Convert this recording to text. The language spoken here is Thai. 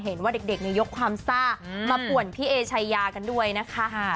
เห็นว่าเด็กยกความซ่ามาป่วนพี่เอชายากันด้วยนะคะ